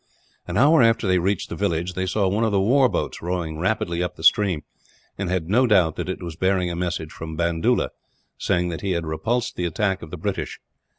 An hour after they reached the village, they saw one of the war boats rowing rapidly up the stream; and had no doubt that it was bearing a message from Bandoola, saying that he had repulsed the attack of the British.